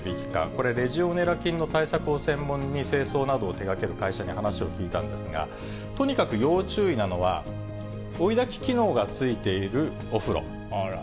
これ、レジオネラ菌の対策を専門に、清掃などを手がける会社に話を聞いたんですが、とにかく要注意なのは、追い炊き機能が付いているお風呂。